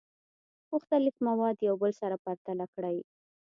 مختلف مواد یو بل سره پرتله کړئ.